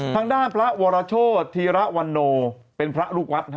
ทางด้านพระวรโชธีระวันโนเป็นพระลูกวัด